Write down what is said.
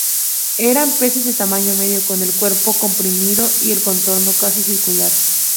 Eran peces de tamaño medio, con el cuerpo comprimido y el contorno casi circular.